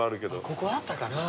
ここだったかな？